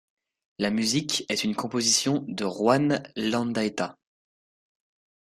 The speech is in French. La musique est une composition de Juan Landaeta.